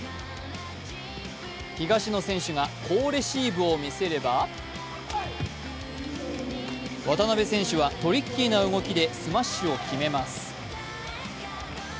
東野選手が好レシーブを見せれば、渡辺選手はトリッキーな動きでスマッシュを決めます。